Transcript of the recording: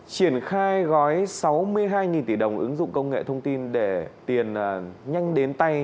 triển khai gói sáu mươi hai tỷ đồng ứng dụng công nghệ thông tin để tiền nhanh đến tay